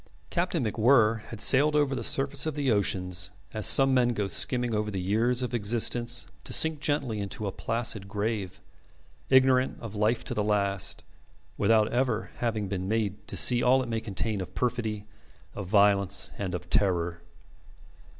Captain MacWhirr had sailed over the surface of the oceans as some men go skimming over the years of existence to sink gently into a placid grave, ignorant of life to the last, without ever having been made to see all it may contain of perfidy, of violence, and of terror.